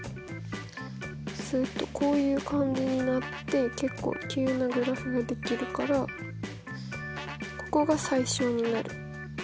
するとこういう感じになって結構急なグラフができるからここが最小になる。